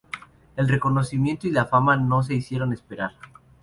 El reconocimiento y la fama no se hicieron esperar.